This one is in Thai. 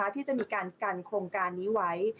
ที่จะมีการกันโครงการนี้ไว้